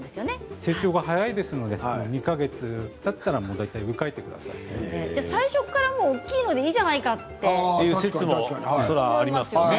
成長が早いですので２か月たったらじゃあ最初から大きいものでいいじゃないかという説がありますね。